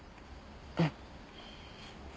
うん。